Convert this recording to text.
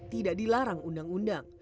tidak dilarang undang undang